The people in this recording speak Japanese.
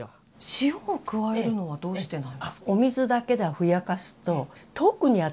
塩を加えるのはどうしてなんです？